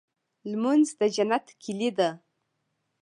لمونځ د جنت کيلي ده.